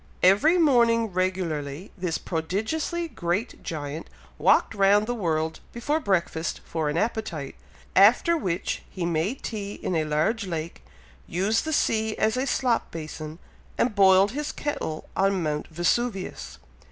Every morning regularly, this prodigiously great giant walked round the world before breakfast for an appetite, after which, he made tea in a large lake, used the sea as a slop basin, and boiled his kettle on Mount Vesuvius.